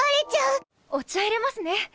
お茶いれますね。